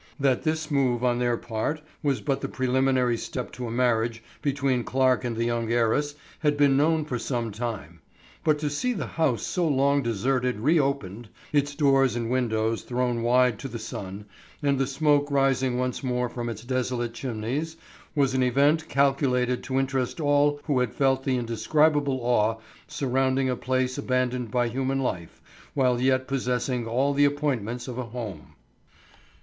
That this move on their part was but the preliminary step to a marriage between Clarke and the young heiress had been known for some time. But to see a house so long deserted reopened, its doors and windows thrown wide to the sun, and the smoke rising once more from its desolate chimneys, was an event calculated to interest all who had felt the indescribable awe surrounding a place abandoned by human life while yet possessing all the appointments of a home.